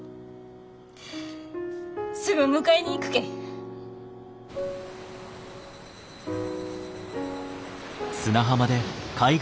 すぐ迎えに行くけん。